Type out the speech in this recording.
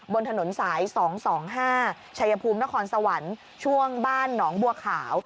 บนถนนสาย๒๒๕ชัยภูมินครสวรรค์ช่วงบ้านหนองบัวขาว